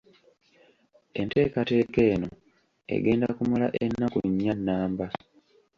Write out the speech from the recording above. Enteekateeka eno egenda kumala ennaku nnya nnamba.